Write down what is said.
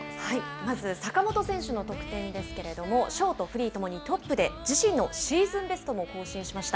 まず、坂本選手の得点ですけれどもショート、フリー共にトップで自身のシーズンベストも更新しました。